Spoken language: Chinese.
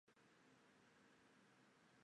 此徽章也是英国国徽左下的组成部分。